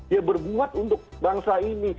ya berbuat untuk bangsa ini